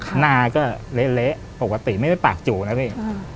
หน้าก็เละปกติไม่ได้ปากจู่นะพี่